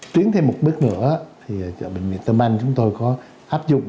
chuyến thêm một bước nữa thì ở bệnh viện tâm anh chúng tôi có áp dụng